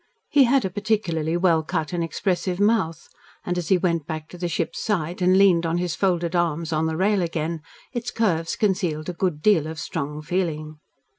He had a particularly well cut and expressive mouth, and, as he went back to the ship's side and leaned on his folded arms on the rail again, its curves concealed a good deal of strong feeling.